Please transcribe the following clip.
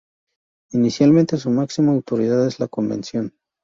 Inicialmente su máxima autoridad es la convención.